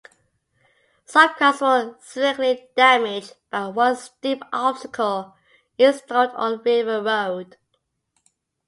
Some cars were significantly damaged by one steep obstacle installed on River Road.